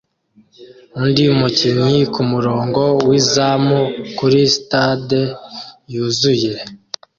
undi mukinnyi kumurongo wizamu kuri stade yuzuye